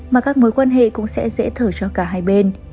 mà các mối quan hệ cũng sẽ dễ thở cho cả hai bên